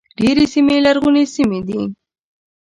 ډېرې سیمې لرغونې سیمې دي.